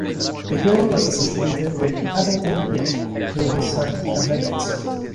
The hero was associated with the Aventine Hill through his son Aventinus.